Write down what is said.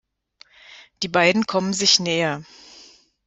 Die beiden kommen sich näher.